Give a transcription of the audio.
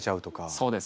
そうです。